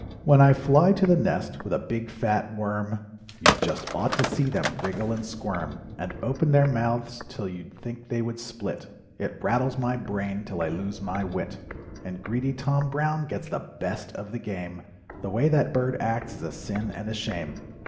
When I fly to the nest with a big fat worm You just ought to see them wriggle and squirm, And open their mouths 'till you'd think they would split, It rattles my brain 'till I lose my wit. And greedy Tom Brown gets the best of the game, The way that bird acts is a sin and a shame."